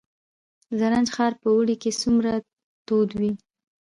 زرنج ښار په اوړي کې څومره تود وي؟